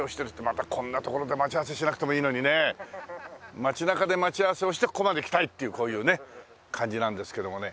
またこんな所で待ち合わせしなくてもいいのにね。街中で待ち合わせをしてここまで来たいっていうこういうね感じなんですけどもね。